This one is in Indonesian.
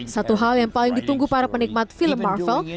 satu hal yang paling ditunggu para penikmat film marvel